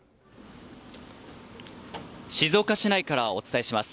静岡市内からお伝えします。